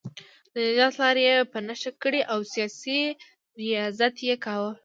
د نجات لارې یې په نښه کړې او سیاسي ریاضت یې کاوه.